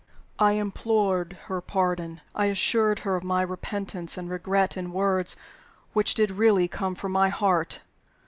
I implored her pardon; I assured her of my repentance and regret in words which did really come from my heart.